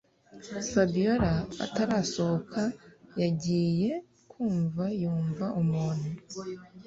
fabiora atarasohoka yagiye kumva yumva umuntu